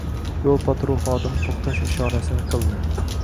Yo`l patrul xodimi to`xtash ishorasini qildi